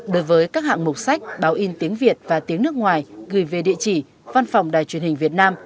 đối với các hạng mục sách báo in tiếng việt và tiếng nước ngoài gửi về địa chỉ văn phòng đài truyền hình việt nam